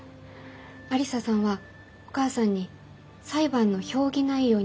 愛理沙さんはお母さんに裁判の評議内容について話しましたか？